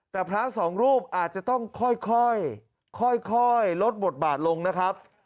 แต่พระสองรูปอาจจะต้องค่อยลดบทบาทลงนะครับ